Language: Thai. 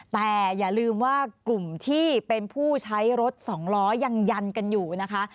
แต่อย่าลืมว่ากลุ่มที่เป็นผู้ใช้รถสองล้อยังยันกันอยู่นะคะ